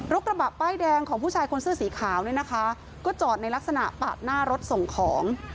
กระบะป้ายแดงของผู้ชายคนเสื้อสีขาวเนี่ยนะคะก็จอดในลักษณะปาดหน้ารถส่งของ